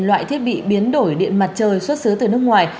loại thiết bị biến đổi điện mặt trời xuất xứ từ nước ngoài